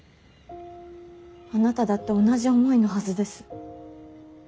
あなただって同じ思いのはずです。